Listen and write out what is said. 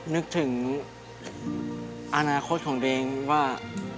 นึกถึงอนาคตของเรียงว่า